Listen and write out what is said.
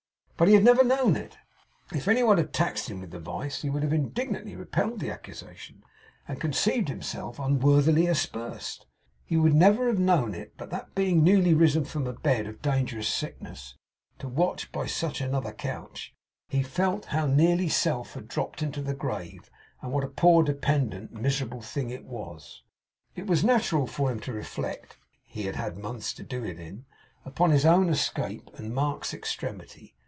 But he had never known it. If any one had taxed him with the vice, he would have indignantly repelled the accusation, and conceived himself unworthily aspersed. He never would have known it, but that being newly risen from a bed of dangerous sickness, to watch by such another couch, he felt how nearly Self had dropped into the grave, and what a poor dependent, miserable thing it was. It was natural for him to reflect he had months to do it in upon his own escape, and Mark's extremity.